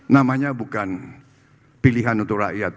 namanya bukan pilihan untuk rakyat